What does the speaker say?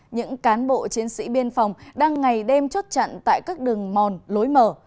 những cán bộ chiến sĩ biên phòng đang ngày đêm chốt chặn tại các đường mòn lối mở